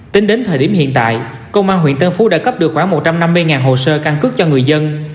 tính đến thời điểm hiện tại công an huyện tân phú đã cấp được khoảng một trăm năm mươi hồ sơ căn cước cho người dân